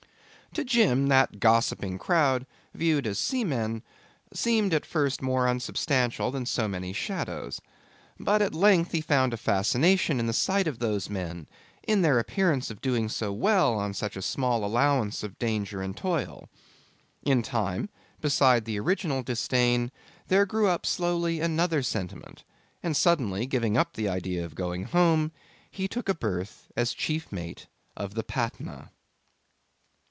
To Jim that gossiping crowd, viewed as seamen, seemed at first more unsubstantial than so many shadows. But at length he found a fascination in the sight of those men, in their appearance of doing so well on such a small allowance of danger and toil. In time, beside the original disdain there grew up slowly another sentiment; and suddenly, giving up the idea of going home, he took a berth as chief mate of the Patna.